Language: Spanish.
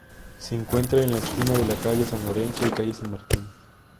Se encuentra en la esquina de la Calle San Lorenzo y Calle San Martín.